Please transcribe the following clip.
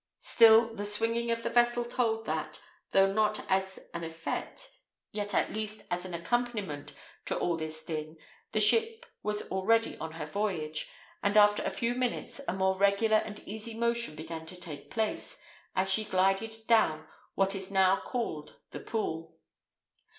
Still the swinging of the vessel told that, though not as an effect, yet at least as an accompaniment to all this din, the ship was already on her voyage; and after a few minutes, a more regular and easy motion began to take place, as she glided down what is now called the Pool.